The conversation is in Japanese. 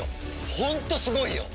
ホントすごいよ！